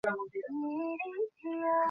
আজ বোধহয় স্বপ্নটা সে দেখবেই।